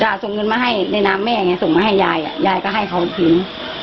จ้ะส่งเงินมาให้ในน้ำแม่ไงส่งมาให้ยายอ่ะยายก็ให้เขาทิ้ง